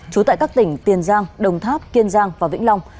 trú tại các tỉnh tiền giang đồng tháp kiên giang và vĩnh long